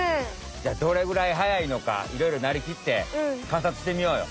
じゃあどれぐらい速いのかいろいろなりきってかんさつしてみようよ。